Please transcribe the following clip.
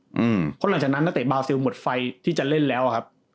เพราะหลังจากนั้นนักเตะบาซิลหมดไฟที่จะเล่นแล้วครับ